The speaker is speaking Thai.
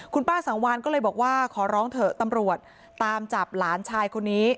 คุณป้าสังวานก็เลยบอกว่าขอร้องเถอะตำรวจตามจับหลานชายคนนี้